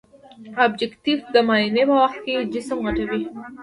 ابجکتیف د معاینې په وخت کې جسم غټوي.